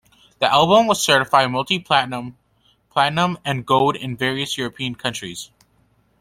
The album was certified Multi-Platinum, Platinum and Gold in various European countries.